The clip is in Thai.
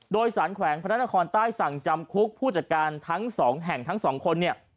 โดยสารแขวงพนักหน้าคอนใต้สั่งจำคุกผู้จัดการทั้ง๒แห่งทั้ง๒คน